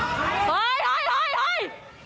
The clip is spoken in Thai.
เฮ้ยเฮ้ยเฮ้ย